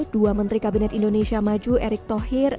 dua menteri kabinet indonesia maju erick thohir